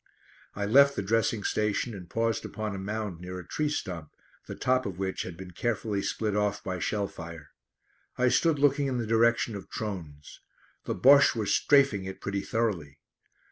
I left the dressing station and paused upon a mound near a tree stump, the top of which had been carefully split off by shell fire. I stood looking in the direction of Trones. The Bosches were "strafing" it pretty thoroughly.